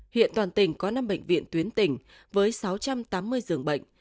hiện toàn tỉnh có năm bệnh viện tuyến tỉnh với sáu trăm tám mươi dường bệnh